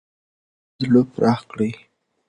خپل زړه پراخ کړئ.